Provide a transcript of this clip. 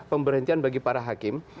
pemberhentian bagi para hakim